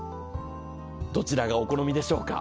どちらがお好みでしょうか。